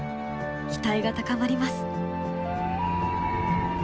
期待が高まります！